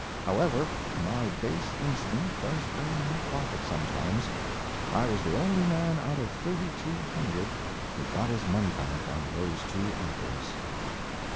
However, my base instinct does bring me profit sometimes; I was the only man out of thirty two hundred who got his money back on those two operas.